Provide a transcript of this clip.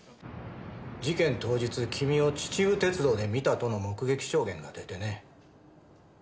事件当日君を秩父鉄道で見たとの目撃証言が出てね。